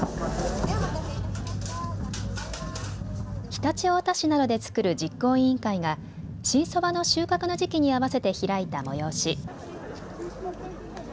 常陸太田市などで作る実行委員会が新そばの収穫の時期に合わせて開いた催し。